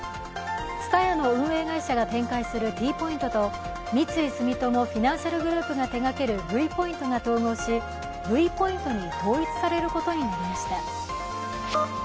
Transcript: ＴＳＵＴＡＹＡの運営会社が展開するＴポイントと三井住友フィナンシャルグループが手がけるＶポイントが統合しＶポイントに統一されることになりました。